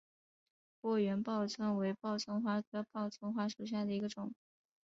波缘报春为报春花科报春花属下的一个种。